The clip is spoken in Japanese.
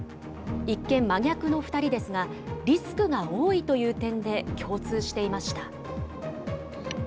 一見真逆の２人ですが、リスクが多いという点で共通していました。